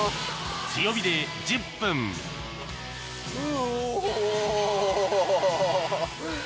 強火で１０分うお。